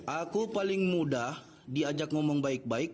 aku paling mudah diajak ngomong baik baik